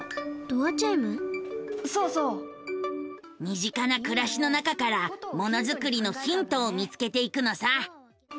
身近な暮らしの中からものづくりのヒントを見つけていくのさ。